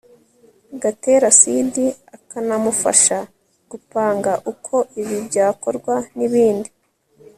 gatera sid akanamufasha gupanga uko ibi byakorwa n ibindi